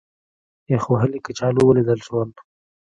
یخ وهلي کچالو ولیدل شول.